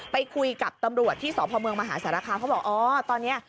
ไปคุยกับตำรวจที่สพเมืองมหาสารคามเขาบอกอ๋อตอนนี้